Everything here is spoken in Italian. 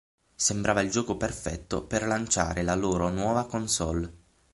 Sembrava il gioco perfetto per lanciare la loro nuova console.